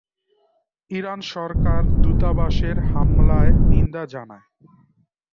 Iran সরকার দূতাবাসের হামলায় নিন্দা জানায়।